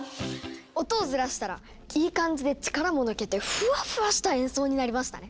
音をずらしたらいい感じで力も抜けてフワフワした演奏になりましたね。